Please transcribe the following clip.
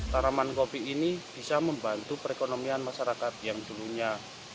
tanaman kopi ini bisa membantu perekonomian masyarakat yang dulunya